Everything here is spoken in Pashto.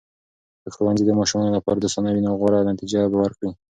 که ښوونځي د ماشومانو لپاره دوستانه وي، نو غوره نتیجه به ورکړي.